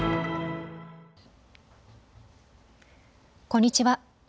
こんにちは。